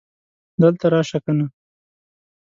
دلته راشه کنه